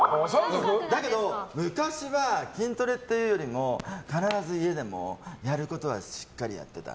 だけど昔は筋トレっていうよりも必ず家でもやることはしっかりやってた。